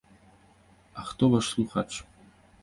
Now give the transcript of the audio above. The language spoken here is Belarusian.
А хто ваш слухач?